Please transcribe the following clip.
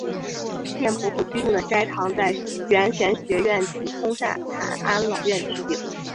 贱婆婆居住的斋堂在圆玄学院及通善坛安老院取景。